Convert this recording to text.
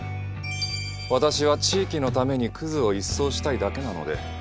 私は地域のためにクズを一掃したいだけなので。